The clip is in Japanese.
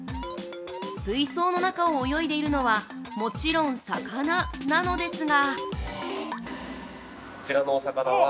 水槽の中を泳いでいるのはもちろん魚なのですが◆